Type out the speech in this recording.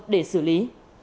để xử lý